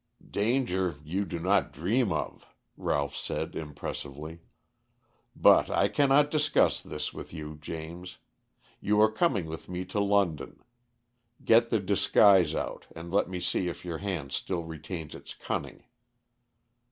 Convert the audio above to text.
"Danger you do not dream of," Ralph said impressively. "But I cannot discuss this with you, James. You are coming with me to London. Get the disguise out and let me see if your hand still retains its cunning."